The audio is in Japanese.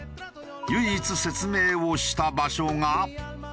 唯一説明をした場所が。